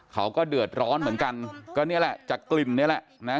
เขาก็เดือดร้อนเหมือนกันก็นี่แหละจากกลิ่นนี่แหละนะ